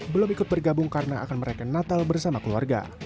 belum ikut bergabung karena akan merayakan natal bersama keluarga